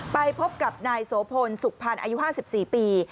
ไปพบกับนายโสพลสุขพันธ์อายุ๕๔ปี